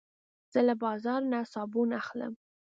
زه له بازار نه صابون اخلم.